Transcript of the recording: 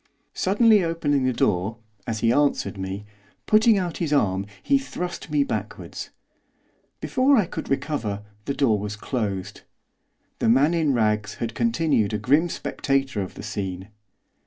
Suddenly opening the door, as he answered me, putting out his arm he thrust me backwards. Before I could recover the door was closed. The man in rags had continued a grim spectator of the scene.